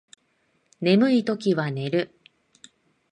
眠いときは寝る